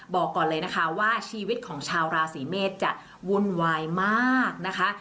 บอกก่อนเลยนะคะว่าชีวิตของชาวราศีเมษจะวุ่นวายมากนะคะ